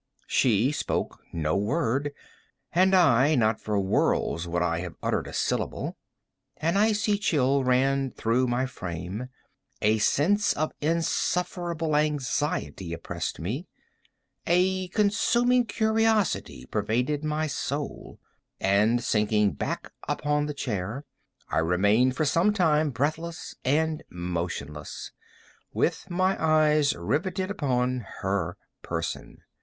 She spoke no word; and I—not for worlds could I have uttered a syllable. An icy chill ran through my frame; a sense of insufferable anxiety oppressed me; a consuming curiosity pervaded my soul; and sinking back upon the chair, I remained for some time breathless and motionless, with my eyes riveted upon her person.